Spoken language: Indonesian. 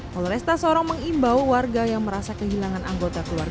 polresta sorong mengimbau warga yang merasa kehilangan anggota keluarga